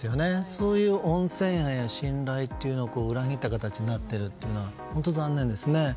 そういう温泉への信頼を裏切った形になっているというのが本当に残念ですね。